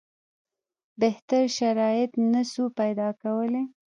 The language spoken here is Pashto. بهتر شرایط نه سو پیدا کولای.